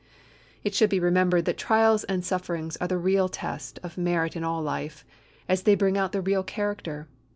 It should be remembered that trials and sufferings are the real test of merit in all life, as they bring out the real character.